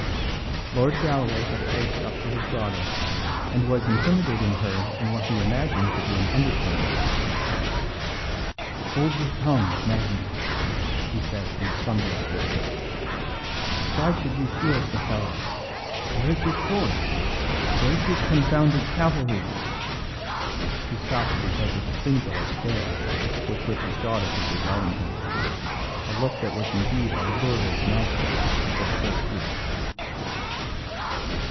Lord Galloway had edged up to his daughter, and was intimidating her in what he imagined to be an undertone. "Hold your tongue, Maggie," he said in a thunderous whisper. "Why should you shield the fellow? Where's his sword? Where's his confounded cavalry " He stopped because of the singular stare with which his daughter was regarding him, a look that was indeed a lurid magnet for the whole group.